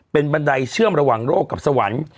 เป็นบันไดเชื่อมระหว่างโรคกับสวรรค์